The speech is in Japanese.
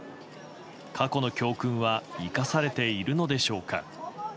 過去の教訓は生かされているのでしょうか。